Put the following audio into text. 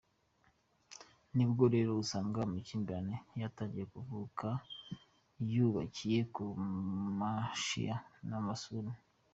Nibwo rero usanga amakimbirane yatangiye kuvuka yubakiye ku bashia n’abasuni.